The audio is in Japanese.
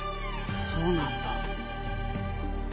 そうなんだ。